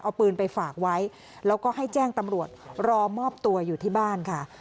เอาปืนไปฝากไว้แล้วก็ให้แจ้งตำรวจรอมอบตัวอยู่ที่บ้านค่ะ